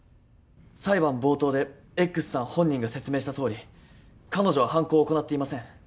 裁判冒頭でＸさん本人が説明したとおり彼女は犯行を行っていません。